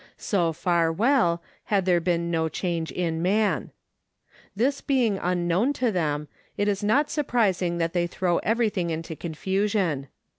So far well, had there been no change in man. This being unknown to them, it is not surprising that they throw everything into confusion.